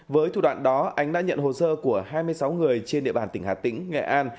với thủ đoạn đó ánh đã nhận hồ sơ của hai mươi sáu người trên địa bàn tỉnh hà tĩnh nghệ an